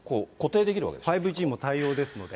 ５Ｇも対応ですので。